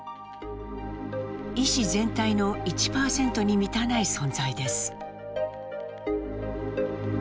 医師全体の１％に満たない存在です。